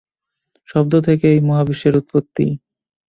শব্দ থেকে এই মহাবিশ্বের উৎপত্তি।